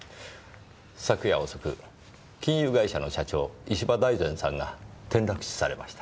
昨夜遅く金融会社の社長石場大善さんが転落死されました。